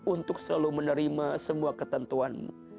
untuk selalu menerima semua ketentuan